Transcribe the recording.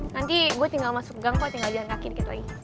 nanti gue tinggal masuk gang kok tinggal jalan kaki dikit lagi